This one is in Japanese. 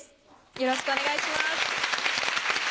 よろしくお願いします。